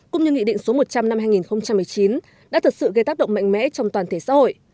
cũng như nghị định số một trăm linh năm hai nghìn một mươi chín đã thật sự gây tác động mạnh mẽ trong toàn thể xã hội